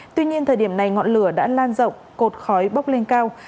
tuy nhiên thời điểm này ngọn lửa đã lan rộng cột khói bốc lên cao